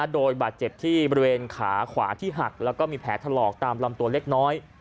โดยบาดเจ็บที่บริเวณขาขวาที่หักแล้วก็มีแผลถลอกตามลำตัวเล็กน้อย